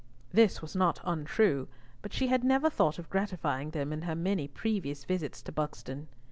This was not untrue, but she had never thought of gratifying them in her many previous visits to Buxton.